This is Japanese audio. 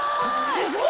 すごい！